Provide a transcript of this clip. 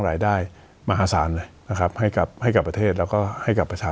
รายได้มาหาศาลเลยนะครับไฟกับให้กับประเทศแล้วก็ให้กับประชา